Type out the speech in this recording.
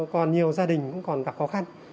còn nhiều gia đình cũng còn gặp khó khăn